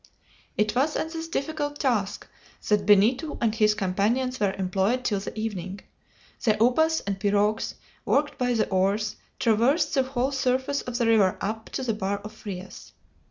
It was in this difficult task that Benito and his companions were employed till the evening. The ubas and pirogues, worked by the oars, traversed the whole surface of the river up to the bar of Frias.